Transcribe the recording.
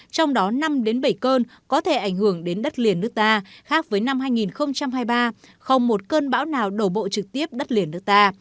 trong đó năm đến bảy cơn có thể ảnh hưởng đến đất liền nước ta khác với năm hai nghìn hai mươi ba không một cơn bão nào đổ bộ trực tiếp đất liền nước ta